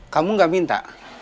kamu gak minta